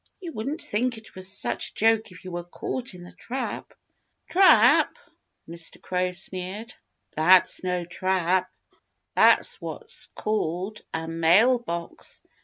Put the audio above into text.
"You wouldn't think it was such a joke if you were caught in the trap." "Trap!" Mr. Crow sneered. "That's no trap. That's what's called a mail box.